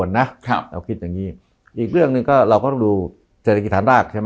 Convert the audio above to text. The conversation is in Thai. นะครับเราคิดอย่างงี้อีกเรื่องหนึ่งก็เราก็ต้องดูเศรษฐกิจฐานรากใช่ไหม